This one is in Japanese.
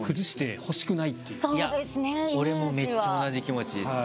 いや俺もめっちゃ同じ気持ちです。